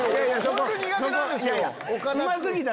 ホント苦手なんですよ。